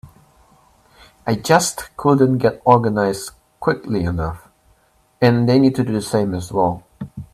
I just couldn't get organized quickly enough, and they need to do the same as well.